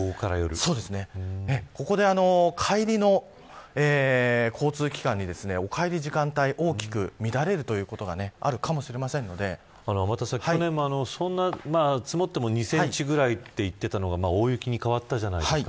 ここで帰りの交通機関にお帰り時間帯、大きく乱れる時間去年も積もっても２センチぐらいと言っていたのが大雪に変わったじゃないですか。